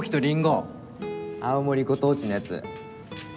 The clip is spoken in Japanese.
青森ご当地のやつ。